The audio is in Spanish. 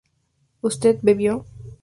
¿usted bebió?